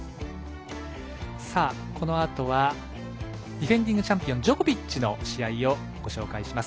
このあとはディフェンディングチャンピオンジョコビッチの試合をご紹介します。